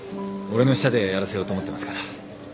俺の下でやらせようと思ってますから。